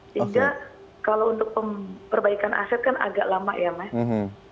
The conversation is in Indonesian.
sehingga kalau untuk perbaikan aset kan agak lama ya mas